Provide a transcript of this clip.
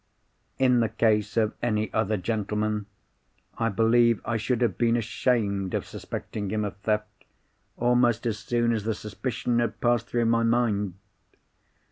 "In the case of any other gentleman, I believe I should have been ashamed of suspecting him of theft, almost as soon as the suspicion had passed through my mind.